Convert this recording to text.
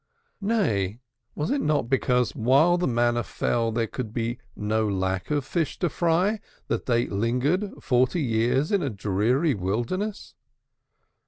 Nay, was it not because, while the manna fell, there could be no lack of fish to fry, that they lingered forty years in a dreary wilderness?